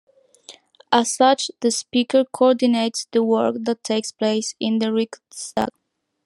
As such the speaker coordinates the work that takes place in the Riksdag.